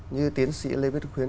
như tiến sĩ lê viết khuyến